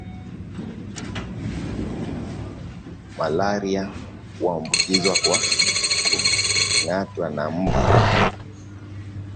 malaria huambukizwa kwa kungatwa na mbu